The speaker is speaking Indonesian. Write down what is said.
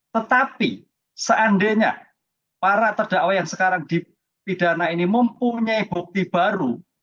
tetapi seandainya para terdakwa yang sekarang dipidana ini mempunyai bukti baru